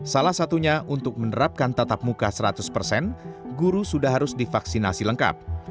salah satunya untuk menerapkan tatap muka seratus persen guru sudah harus divaksinasi lengkap